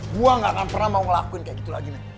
gue gak akan pernah mau ngelakuin kayak gitu lagi nih